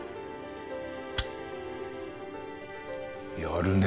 やるね